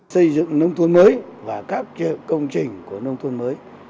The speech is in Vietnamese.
xây dựng nông thôn mới và các công trình của nông thôn mới